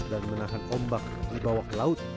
dan menahan ombak di bawah laut